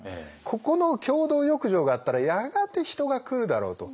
ここの共同浴場があったらやがて人が来るだろうと。